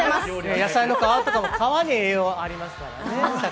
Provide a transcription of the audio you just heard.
野菜の皮とかも、皮に栄養がありますからね。